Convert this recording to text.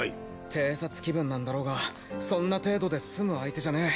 偵察気分なんだろうがそんな程度で済む相手じゃねえ。